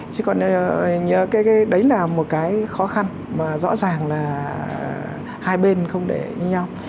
chỉ còn đấy là một cái khó khăn mà rõ ràng là hai bên không để như nhau